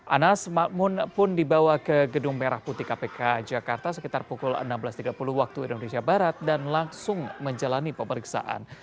anas makmun pun dibawa ke gedung merah putih kpk jakarta sekitar pukul enam belas tiga puluh waktu indonesia barat dan langsung menjalani pemeriksaan